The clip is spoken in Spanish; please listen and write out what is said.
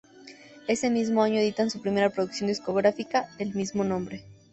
Ese mismo año editan su primera producción discográfica, del mismo nombre.